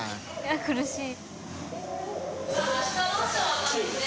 苦しい。